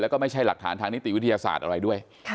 แล้วก็ไม่ใช่หลักฐานทางนิติวิทยาศาสตร์อะไรด้วย